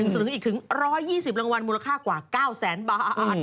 สลึงอีกถึง๑๒๐รางวัลมูลค่ากว่า๙แสนบาท